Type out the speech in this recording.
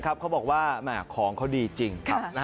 เขาบอกว่าของเขาดีจริง